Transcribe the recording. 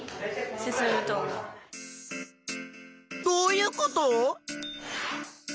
どういうこと？